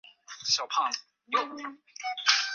圣欧班德布瓦。